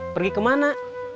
pergi ke mana